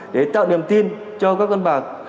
để tạo niềm tin cho các con bạc